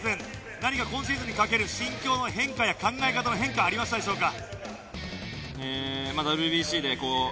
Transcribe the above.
何か今シーズンにかける心境の変化や考え方の変化ありましたでしょうか？